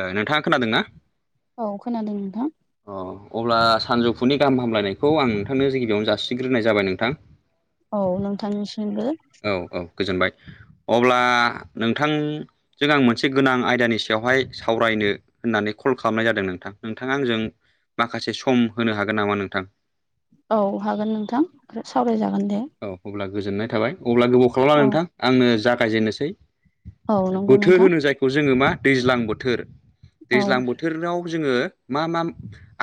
ओ नोंथाङा खोनादोंना? औ खोनादों नोंथां। अ अब्ला सानजौफुनि गाहाम हामलायनायखौ आं नोंथांनो गिबियावनो जासिग्रोनाय जाबाय नोंथां। औ नोंथांनिसिमबो। औ औ गोजोनबाय अब्ला नोंथां नोंजों आं मोनसे गोनां आयदानि सायावहाय सावरायनो होननानै कल खालामनाय जादों नोंथां नोंथाङा आंजों माखासे सम होनो हागोन नामा नोंथां? औ हागोन नोंथां सावरायजागोन दे। औ अब्ला गोजोननाय थाबाय अब्ला गोबाव खालामला औ नोंथां आंनो जागायजेननोसै। औ नंगौ बोथोर नोंथां होनो जायखौ जोङो मा दैज्लां बोथोर। औ दैज्लां बोथोराव जोङो मा मा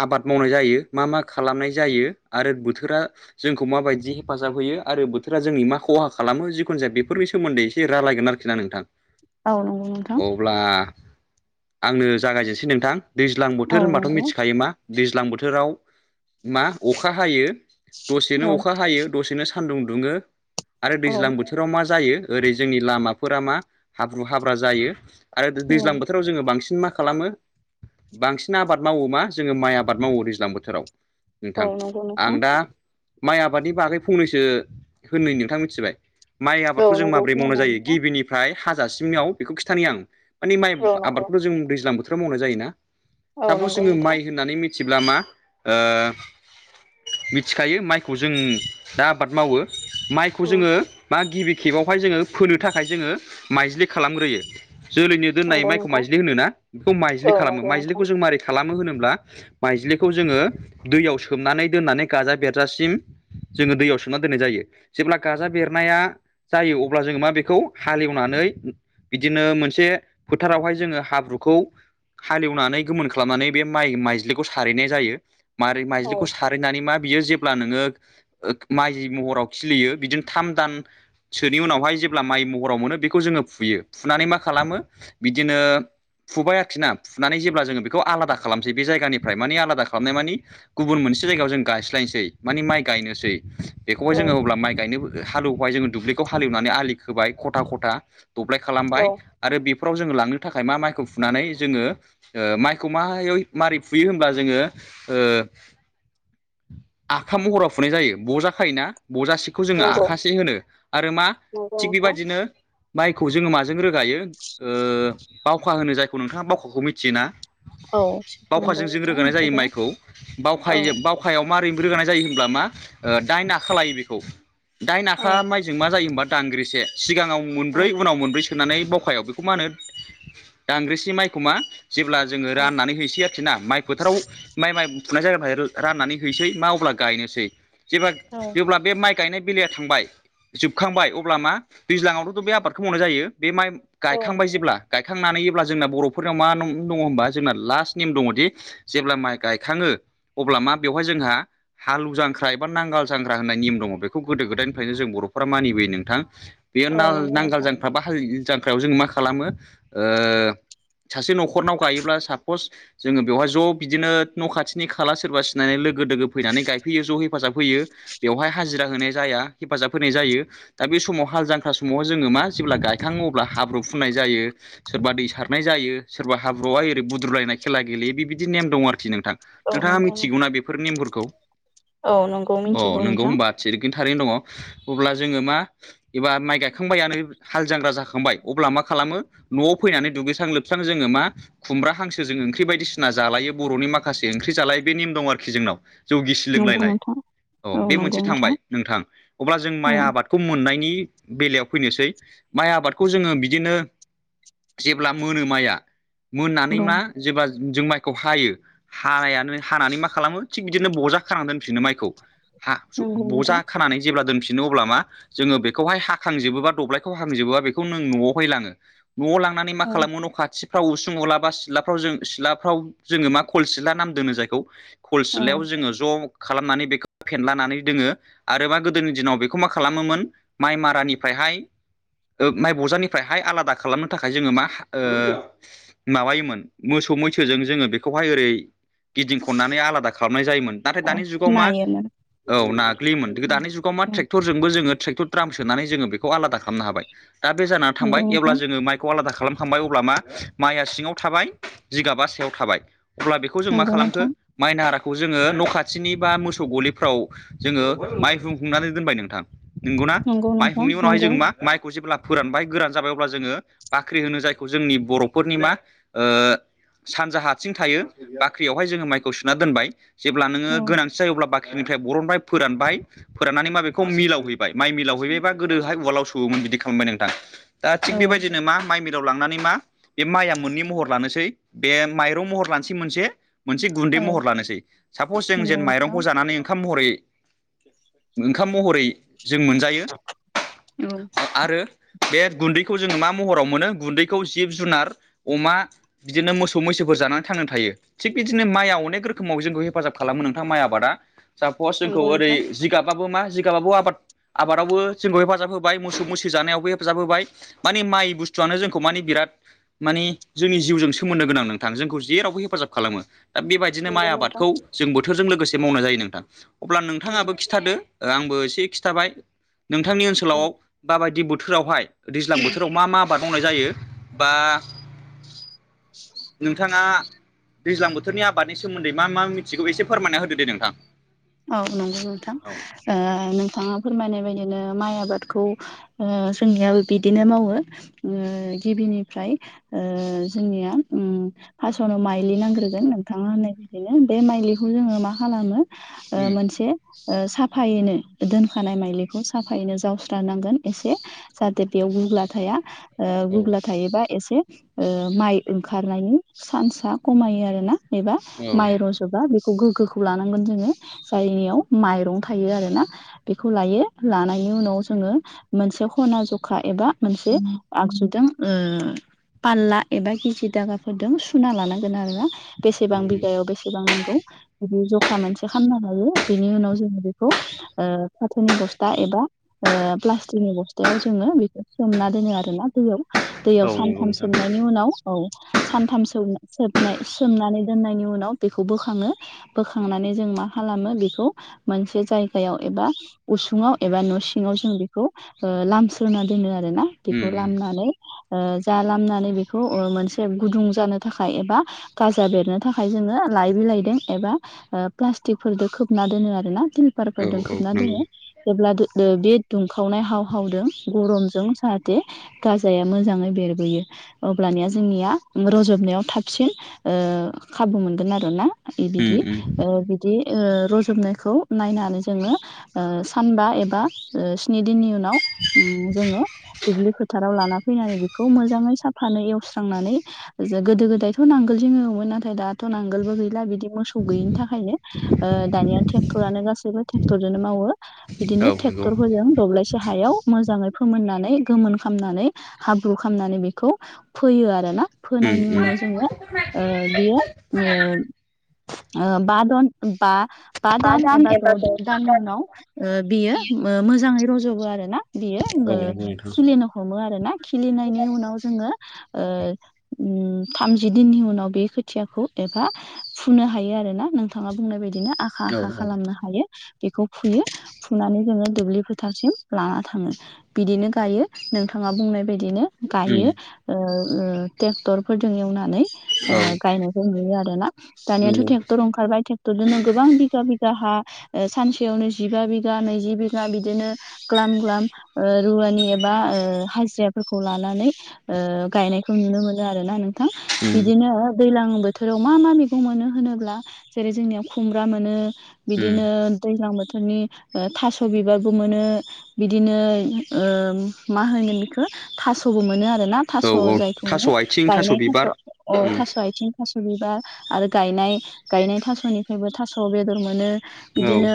आबाद मावनाय जायो मा मा खालामनाय जायो आरो बोथोरा जोंखौ माबायदि हेफाजाब होयो आरो बोथोरा जोंनि मा [unintelligible] खहा खालामो जिखुन जाया बेफोरनि सोमोन्दै एसे रालायगोन आरोखि ना नोंथां। औ नंगौ नोंथां अब्ला आंनो जागायजेनसै नोंथां। दैज्लां औ बोथोर होनबाथ' नंगौ मिथिखायो मा दैज्लां बोथोराव मा अखा हायो। औ दसेनो अखा हायो दसेनो सान्दुं दुङो। आरो औ दैज्लां बोथोराव मा जायो ओरै जोंनि लामाफोरा मा हाब्रु हाब्रा जायो। आरो औ दैज्लां बोथोराव जोंओ बांसिन मा खालामो? बांसिन आबाद मावो मा जोङो माइ आबाद मावो दैज्लां बोथोराव। नोंथां औ नंगौ आं नोंथां दा माइ आबादनि बागै फंनैसो होननै नोंथां मिथिबाय? माइ औ आबादखौ जों नंगौ माबोरै मावना‌ खोनादों जायो नोंथां गिबिनि फ्राय हाजासिमाव बेखौ खिथानि आं माने माइ औ नंगौ आबादखौथ' जों दैज्लां बोथोराव मावनाय जायो ना? औ सापस नंगौ जोङो नोंथां माइ होननानै मिथिब्ला मा ओ मिथिखायो माइखौ जों दा आबाद मावो माइखौ उम जोङो मा गिबि खेबावहाय जोङो फोनो थाखाय जोङो माइज्लि खालामग्रोयो जोलैनो दोननाय नंगौ माइखौ नोंथां माइज्लि होनो ना बेखौ माइज्लि औ खालामो नंगौ नोंथां माइज्लिखौ जों मारै खालामो होनोब्ला माइज्लिखौ जोङो दैयाव सोमनानै दोननानै गाजा बेरजासिम जोङो दैयाव सोमना दोननाय जायो जेब्ला गाजा बेरनाया जायो अब्ला जोङो मा बेखौ हालेवनानै बिदिनो मोनसे फोथारावहाय जोङो हाब्रुखौ हालेवनानै गोमोन खालामनानै बे माइ माइज्लिखौ सारहैनाय जायो। मारै औ माइज्लिखौ सारहैनानै मा बियो जेब्ला नोङो ओ माइ महराव खिलियो बिदिनो थाम दान। सोनि उनावहाय जेब्ला माइ महराव मोनो बेखौ जोङो फुयो फुनानै मा खालामो? बिदिनो फुबाय आरोखिना फुनानै जेब्ला जोङो बेखौ आलादा खालामसै बे जायगानिफाय माने आलादा खालामनाय माने गुबुन मोनसे जायगायाव जों गायस्लायनोसै माने माइ गायनोसै। बेखौहाय औ जोङो अब्ला माइ गायनो हालौवबाय जोङो दुब्लिखौ हालेवनानै आलि खोबाय खथा खथा दब्लाय औ खालामबाय आरो बेफोराव जोङो लांनो थाखाय मा माइखौ फुनानै जोङो ओ माइखौ माहायै मारै फुयो होनब्ला जोङो ओ आखा महराव फुनाय जायो ब'जा खायोना बजासेखौ जोङो नंगौ आखासे होनो आरो मा नंगौ थिग नोंथां बेबायदिनो माइखौ जोङो माजों रोगायो ओ बावखा होनो जायखौ नोंथाङा बावखाखौ मिथियोना औ नंगौ बावखाजों जों नोंथां रोगानाय जायो मिथिगौ माइखौ औ बावखायो बाव खायाव मारै रोगानाय जायो होमब्ला मा ओ दाइन आखा लायो बेखौ दाइन औ आखा माइ जों मा जायो होमबा दांग्रिसे सिगांआव औ मोनब्रै उनाव मोनब्रै सोनानै बावखायाव बेखौ मा होनो दांग्रिसे माइखौ मा जेब्ला जोङो औ राननानै हैसै आरोखिना माइ फोथाराव माइ माइ फुनाय जायगानिफाय राननानै हैसै मा अब्ला गायनोसै जेबा औ जेब्ला बे माइ गायनाय बेलाया थांबाय जोबखांबाय अब्ला मा दैज्लां आवबोथ बे आबादखौ मावनाय जायो बे माइ औ गायखांबाय जेब्ला गायखांनानै जेब्ला जोंना बर'फोरनियाव मा नं दङ होनबा जोंना लास्ट नेम दङदि जेब्ला माइ गायखाङो अब्ला मा बेवहाय जोंहा हाल जांख्रा एबा नांगाल जांख्रा होन्नाय नेम दङ बेखौ गोदो गोदायनिफायनो जों बर'फोरा मानिबोयो नोंथां बेयो औ नंगौ नांगाल नोंथां जां ख्रा बा हाल जांख्रायाव जोङो मा खालामो ओ सासे न'खरनाव गायोब्ला सापस जोङो बेवहाय ज' बिदिनो न' खाथिनि खाला सोरबा सिनायनाय लोगो दोगो फैनानै गायफैयो ज' हेफाजाब होयो बेवहाय हाजिरा होनाय जाया हेफाजाब होनाय जायो दा बे समाव हाल जांख्रा समावहाय जोङो मा जेब्ला गायखाङो अब्ला हाब्रुु फुननाय जायो सोरबा दै सारनाय जायो सोरबा हाब्रुआवहाय ओरै बुद्रुलायनाय खेला गेलेयो बे बिदि नेम दं आरोखि नोंथां औ नोंथाङा नंगौ नोंथां मिथिगौना बेफोर नेमफोरखौ औ नंगौ अ मिथिगौ नोंगौ नोंथां होमबा थिरिखि थारैनो दङ अब्ला जोङो मा एबा माइ गायखांबायानो हाल जांख्रा जाखांबाय अब्ला मा खालामो न'आव फैनानै दुगैस्रां लोबस्रां जोङो मा खुमब्रा हांसो जों ओंख्रि बायदिसिना जालायो बर'नि माखासे ओंख्रि जालायो बे नेम दं आरोखि जोंनाव जौगिसि नंगौ लोंलायनाय नोंथां औ बे नंगौ मोनसे नोंथां थांबाय नोंथां अब्ला जों औ माइ आबाद खौ मोननायनि बेलायाव फैनोसै माइ आबादखौ जोङो बिदिनो जेब्ला मोनो माया मोननानै दं मा जेब्ला जों माइखौ हायो हाया हानानै मा खालामो थिग बिदिनो बजा खानानै दोनफिनो माइखौ नंगौ बजा नोंथां खानानै जेब्ला दोनफिनो अब्ला मा जोङो बेखौहाय हाखांजोबोबा दब्लायखौ हाखांजोबोबा बेखौ नों न'आवहाय लाङो न'आव लांनानै मा औ खालामो न' खाथि फ्राव उसुं उला बा सिलाफ्राव जों सिलाफ्राव जोङो मा खल सिला नाम दोनो जायखौ खल औ सिलायाव जोङो ज' खालामनानै बेखौ फेनलानानै दोनो आरो मा गोदोनि दिनाव बेखौ मा खालामोमोन माइ मारानिफायहाय ओ माइ बजानिफायहाय आलादा खालामनो थाखाय जोङो मा ओ माबायोमोन मोसौ मैसोजों जोङो बेखौहाय ओरै गिदिं खननानै आलादा खालामनाय जायोमोन नाथाय औ दानि जुगाव मा नायोमोन औ नाग्लियोमोन उम दानि जुगाव मा ट्रेक्टरजोंबो जोङो ट्रेक्टर ट्राम सोनानै जोङो बेखौ आदा खालामनो हाबाय दा बे जाना नंगौ थांबाय एब्ला नोंथां जोङो माइ खौ आलादा खालामखांबाय अब्ला मा माया सिङाव थाबाय जिगाबा सायाव थाबाय अब्ला बेखौ खौ जों मा नंगौ खालामखो नोंथां माइ नाराखौ जोङो न'खाथिनि बा मोसौ गलि फ्राव जोङो माइहुं हुंनानै दोनबाय नोंथां नंगौना नंगौ नोंथां माइहुंनि उनावहाय नंगौ जों मा माइखौ जेब्ला फोरानबाय गोरान जाबाय अब्ला जोङो बाख्रि होनो जायखौ जोंनि बर'फोरनि मा ओ सानजा हाथिं थायो बाख्रियावहाय हाय जों माइखौ सोना दोनबाय जेब्ला नोङो औ गोनांथि जायो अब्ला बाख्रिनिफ्राय बरनबाय फोरानबाय फोराननानै मा बेखौ मिलाव हैबायब गोदोहाय उालाव सोवमोन बिदि खालामबाय नोंथां दा थिग औ बेबायदि नामा माइ मिलव लांनानै मा बे माइया मोननै महर लानोसै बे माइरं महर लानोसै मोनसे मोनसे गुन्दै औ महर लानोसै सापस जों नंगौ जेन नोंथां माइरंखौ नानै ओंखाम महरै ओंखाम महरै जों मोनजायो औ आरो बे गुन्दैखौ जोङो मा महराव मोनो गुन्दैखौ जिब जुनार अमा बिदिनो मोसौ मैसोफोर जानानै थांनानै थायो थिग बिदिनो माइ अनोक रोखोमाव जोंखौ हेफाजाब खालामो नोंथां माइ आबादा सापस जोंखौ नंगौ ओरै नोंथां जिगाबाबबो मा जिगाबाबो आबाद आबादावबो जोंखौ हेफाजाब होबाय मोसौ मैसो जानायावबो हेफाजाब होबाय माने माइ बुस्थुआनो जोंखौ माने बिराद माने जोंनि जिउजों सोमोन्दो गोनां नोंथां जोंखौ जेरावबो हेफाजाब खालामो दा बेबायदिनो माइ नंगौ नोंथां आबादखौ जों बोथोरजों लोगोसे मावनाय जायो नोंथां अब्ला औ नोंथाङाबो खिन्थादो आंबो एसे खिन्थाबाय नोंथांनि ओनसोलाव औ माबायदि बोथोरावहाय दैज्लां बोथोराव मा मा आबाद मावनाय जायो बा नोंथाङा दैज्लां बोथोरनि आबादनि सोमोन्दै मा मा मिथिगौ एसे फोरमायना होदो दे नोंथां औ नंगौ नोंथां औ नोंथाङा फोरमायनाय बायदिनो माइ आबादखौ जोंनियाबो बिदिनो मावो गिबिनिफ्राय ओ जोंनिया उम फासावनो माइलि नांग्रोगोन नोंथाङा होननाय बिदिनो बे माइलिखौ जोङो मा खालामो उम मोनसे साफायैनो दोनखानाय माइलिखौ साफायैनो जावस्रानांगोन एसे जाहाथे बेयाव गुग्ला थाया ओ औ गुग्ला थायोबा एसे माइ ओंखारनायनि सान्सा खमायो आरोना एबा औ माइ रजोबा बेखौ गोग्गोखौ लानांगोन जों जायनियाव माइरं थायो लायो लानायनि उनाव जोङो मोनसे खना जखा एबा मोनसे आगजुजों औ फारला एबा केजि थाखाफोरजों सुना लानांगोन आरोना बेसेबां बिगायाव बेसेबां बिदि जखा मोनसे खालामना लायो बेनि जोङो बेखौ ओ फाथोनि बस्था एबा ओ प्लास्टिकनि अबस्थायाव जोङो बेखौ सोमना दोनो आरोना दैयाव दैयाव सानथाम सोमनायनि उनाव औ सानथाम सौबना सोबनाय सोमनानै दोननायनि उनाव बेखौ बोखाङो बोखांनानै जों मा खालामो बेखौ मोनसे जायगायाव एबा उसुङाव एबा न' सिङाव जों बेखौ लामस्रोनना दोनो आरो ना बेखौ उम उम लामनानै जा नानै बेखौ मोनसे गुदुं जानो थाखाय एबा गाजा बेरनो थाखाय जों लाय बिलायदों एबा प्लास्टिकफोरजों खोबना दोनो आरो ना औ तिलपारफोरजों औ खोबना नंगौ दोनो जेब्ला बे दुंखावनाय हाव हावदों गरमजों जाहाथे गाजाया मोजाङै बेरबोयो अब्लानिया जोंनिया रजबनायाव थाबसिन खाबु मोनगोन आरोना उम बिदि उम ओ बिदि ओ रज'नायखौ नायनानै जों सानबा एबा स्नि दिननि उन हेलौ उम जोंङो दुब्लि फोथाराव लाना फैनानै बिखौ मोजांङै सा फानो एवस्रांनानै गोदो गोदायथ' नांगोलजोंनो एवोन नाथाय दाथ' नांगोलबो गैला बि मोसौ गैयिनि थाखायनो ओ दानिया ट्रेक्टरानो गासैबो ट्रेक्टर जोंनो मावो औ बिदिनो नंगौ ट्रेक्टरफोरजों दब्लायसे हायाव मोजाङै फोमोननानै गोमोन खामनानै हाब्रु खामनानै बेखौ फोयो आरोना उम फोनायनि उम उनाव जोंङो ओ बियो ओ ओ बा दन बा बा दान बादाम एबा औ द' दाननि उनाव ओ बियो ओ मोजाङै रज'बो आरो ना बियो आङो खिलिनो हमो आर ना उम खिलिनायनि उनाव जोङो ओ उम थामजि दिननि उनाव बे खोथियाखौ एबा फुनो हायो आरो ना नोंथाङा बुंनाय बायदिनो आखा आखा खालामनो हायो बेखौ फुयो फुनानै जोङो दुब्लि फोथारसिम लाना थाङो बिदिनो गायो नोंथाङा बुंनाय बायदिनो गायो ओ ओ ट्रेक्टर फोरजों एवनानै ओ गायनायखौ नुयो आरो ना दानियाथ' ट्रेक्टर ओंखारबाय ट्रेक्टरजोंनो गोबां बिगा बिघा हा ओ सानसेयावनो जिबा बिघा नैजि बिगा बिदिनो ग्ला ग्लाम ओ रुवानि एबा हाजिराफोरखौ लानानै ओ गायनायखौ नुनो मोनो आरो ना नोंथां बिदिनो दैलां बोथोराव मा मा मोनो होनोब्ला जेरै जोंनियाव खुमब्रा मोनो उम बिदिनो दैज्लां बोथोरनि ओ थास' बिबारबो मोनो बिदिनो ओ मा होनो बिखौ थास'बो मोनो आरोना थास' औ औ जायखौ थास' मोनो आथिं गायनाय थास' बिबार अ उम थास' आथिं थास' बिबार आरो गायनाय गायनाय थास'निफ्रायबो थास'आव बेदर मोनो औ बिदिनो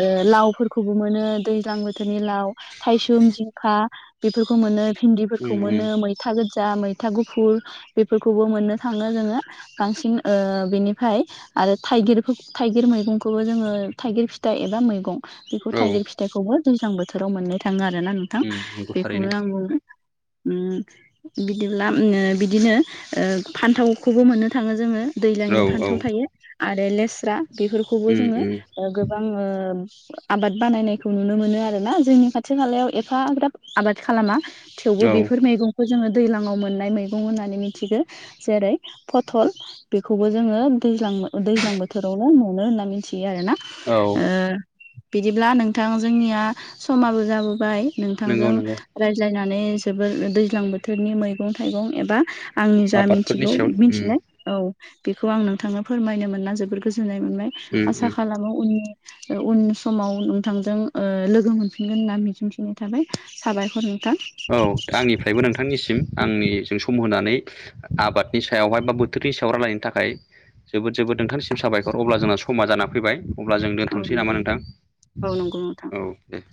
ओ लावफोरखौबो मोनो दैज्लां बोथोरनि लाव थायसुम जिंखा बेफोरखौ मोनो भिन्दिफोरखौ उम उम मोनो मै था गोजा मैथा गुफुर बेफोरखौबो मोननो थाङो जोङो गांसिन ओ बिनिफ्राय आरो थाइगिर थाइगिर मैगंखौबो जोङो थाइगिर फिथाइ एबा मैगं बेखौ औ थाइगिर फिथाइखौबो दैज्लां बोथोराव मोननो थाङो आरोना नोंथां उम नंगौ थारैनो बेखौनो आंबुं उम बिदिब्ला ओ बिदिनो ओ फान्थावखौबो मोननो थाङो जोङो औ दैज्लांनि औ फान्थाव थायो आरो लेस्रा बेफोरखौबो अ उम जोङो उम गोबां ओ आबाद बानायनायखौ नुनो मोनो आरोना जोंनि खाथि खालायाव एफा बिराब आबाद खालामा थेवबो औ बेफोर मैगं खौ जोङो दैजलाांआव मोननाय मैगं होननानै मिथिगौ जेरै फथल बेखौबो जोङो दैज्लां दैज्लां बोथोरावल नुनो होनना मिथियो आरोना औ ओ बिदिब्ला नोंथां जोंनिया समाबो जाबोबाय नंगौ नोंथांजों नंगौ रायज्लायनानै जोबोर दैज्लां बोथोरनि मैगं थाइगं एबा आंनि जा आबादफोरनि मिथिगौ सायाव उम मिथिनाय औ बेखौ आं नोंथांनो फोरमायनो मोनना जोबोर गोजोननाय मोनो उम आसा उम खालामो उननि अ उन समाव नोंथांजों लोगो मोनफिनगोन होनना मिजिंफिननाय थाबाय साबायखर नोंथां औ आंनिफ्रायबो नोंथांनिसिम आंनिजों सम होनानै आबादनि सायावहाय बा बोथोरनि सायाव रायलायनो थाखाय जोबोद जोबोद नोंथांनिसिम साबायखर अब्ला जोंना समा जानानै फैबाय अब्ला जों औ दोनथ'नोसै नंगौ नामा नोंथां? औ नंगौ नोंथां औ दे।